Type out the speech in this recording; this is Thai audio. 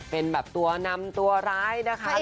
เป็นแบบตัวนำตัวร้ายนะคะ